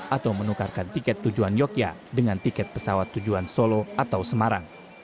atau menukarkan tiket tujuan yogyakarta dengan tiket pesawat tujuan solo atau semarang